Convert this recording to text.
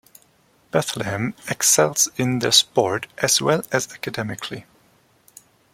Bethlehem excels in their sport as well as academically.